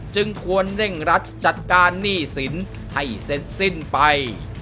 จึงควรเร่งรัดจัดการหนี้สินให้เสร็จสิ้นไป